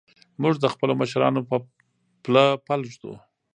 موږ د خپلو مشرانو په پله پل ږدو.